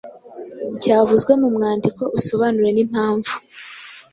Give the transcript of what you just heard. cyavuzwe mu mwandiko usobanure n’impamvu.